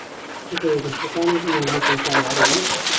نەتەوە یەکگرتووەکان و نێردەی کۆمکاری عەرەبی